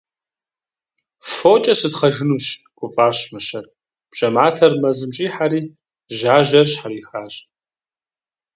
- Фокӏэ сытхъэжынущ! - гуфӏащ мыщэр, бжьэматэр мэзым щӏихьэри, жьажьэр щхьэрихащ.